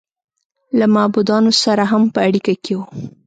له معبودانو سره هم په اړیکه کې و